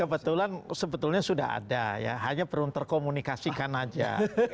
kebetulan sebetulnya sudah ada ya hanya perlu terkomunikasikan saja